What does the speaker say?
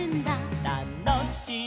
「たのしい！」